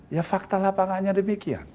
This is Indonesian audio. ya fakta lapangannya demikian